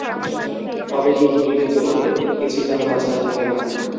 কবে কী ঘটিবে জীবনে কিছুই তাহার অজানা থাকে না।